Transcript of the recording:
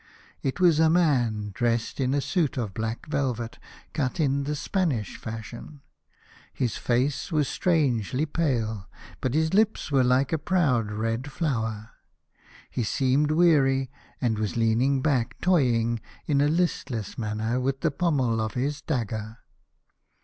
It was a man dressed in a suit of black velvet, cut in the Spanish fashion. His face was strangely pale, but his lips were like a proud red flower. He seemed weary, and was leaning back toying in a listless manner with the pommel of his dagger.